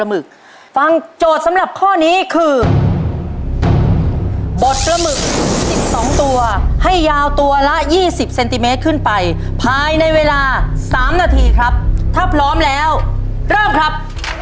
เวลาตัวละยี่สิบเซนติเมตรขึ้นไปภายในเวลาสามนาทีครับถ้าพร้อมแล้วเริ่มครับ